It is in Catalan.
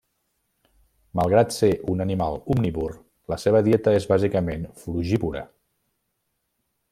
Malgrat ser un animal omnívor, la seva dieta és bàsicament frugívora.